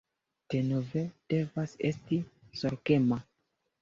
Denove, devas esti zorgema